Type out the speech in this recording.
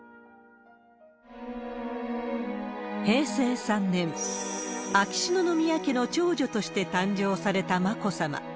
平成３年、秋篠宮家の長女として誕生された眞子さま。